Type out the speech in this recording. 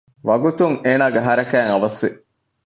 ވަގުތުން އޭނާގެ ހަރަކާތް އަވަސްވި